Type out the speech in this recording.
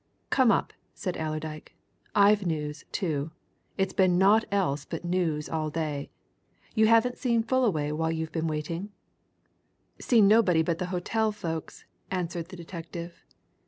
"Come up," said Allerdyke. "I've news, too it's been naught else but news all day. You haven't seen Fullaway while you've been waiting?" "Seen nobody but the hotel folks," answered the detective.